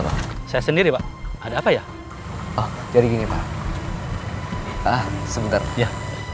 hai saya sendiri pak ada apa ya oh jadi ini pak ah sebentar ya